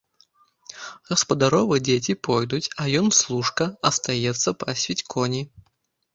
Гаспадаровы дзеці пойдуць, а ён, служка, астаецца пасвіць коні.